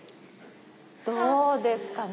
どうですかね？